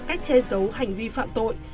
cách che giấu hành vi phạm tội